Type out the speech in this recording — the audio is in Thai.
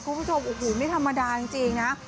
คุณผู้ชมโอ้โหไม่ธรรมดาจริงนะ